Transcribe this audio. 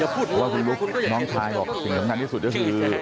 เพราะว่าคุณรุ๊ปน้องใจบอกว่าถึงเรื่องงานที่สุดก็คือ